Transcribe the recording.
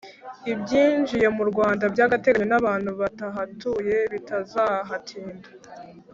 ibyijiye mu Rwanda by’agateganyo n’abantu batahatuye bitazahatinda